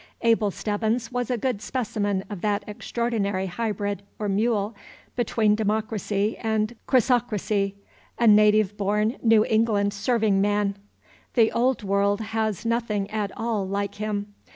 Abel Stebbins was a good specimen of that extraordinary hybrid or mule between democracy and chrysocracy, a native born New England serving man. The Old World has nothing at all like him.